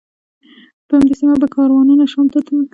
په همدې سیمه به کاروانونه شام ته تلل.